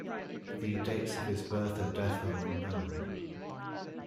The dates of his birth and death are unknown.